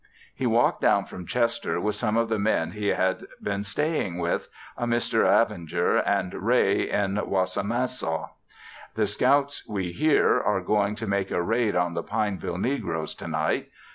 He walked down from Chester with some of the men he had been staying with, a Mr. Avinger and Ray in Wassamasaw. The scouts, we hear, are going to make a raid on the Pineville negroes tonight.